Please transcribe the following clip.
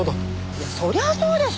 いやそりゃそうでしょ。